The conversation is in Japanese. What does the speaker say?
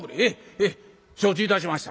「へえ承知いたしました。